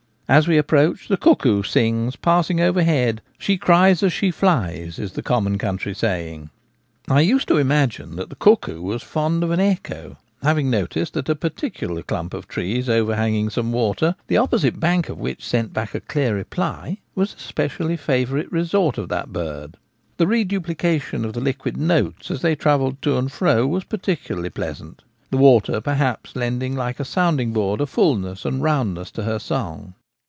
As we approach, the cuckoo sings passing over head ;* she cries as she flies ' is the common country saying. I used to imagine that the cuckoo was fond of an echo, having noticed that a particular clump of trees overhanging some water, the opposite bank of which sent back a clear reply, was a specially g 2 84 The Gamekeeper at Home. favourite resort of that bird. The reduplication of the liquid notes, as they travelled to and fro, was peculiarly pleasant : the water, perhaps, lending, like a sounding board, a fulness and roundness to her song.